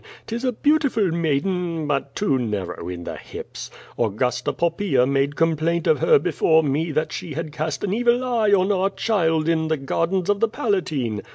'Tis a beautiful maiden, but too narrow in the hips. Augusta Poppaea made complaint of her before me that she had cast an evil eye on our child in the gardens of the Palatine."